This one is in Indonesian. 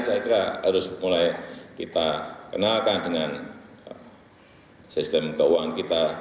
saya kira harus mulai kita kenalkan dengan sistem keuangan kita